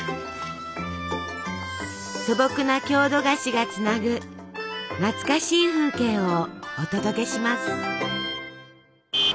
素朴な郷土菓子がつなぐ懐かしい風景をお届けします。